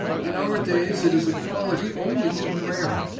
In our days it is a quality only too rare!